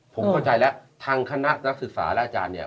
ผมเข้าใจแล้วทางคณะนักศึกษาและอาจารย์เนี่ย